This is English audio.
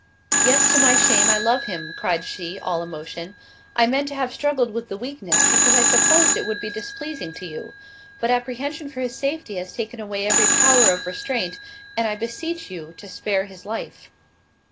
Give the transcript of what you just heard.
"Yes, to my shame I love him:" (cried she, all emotion) "I meant to have struggled with the weakness, because I supposed it would be displeasing to you—but apprehension for his safety has taken away every power of restraint, and I beseech you to spare his life."